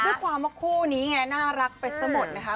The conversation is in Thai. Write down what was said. ได้ความว่าคู่นี้น่ารักไปสมมุตินะคะ